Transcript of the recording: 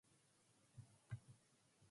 Lorenzo currently lives in New York City.